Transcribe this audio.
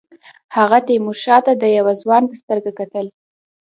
هغه تیمورشاه ته د یوه ځوان په سترګه کتل.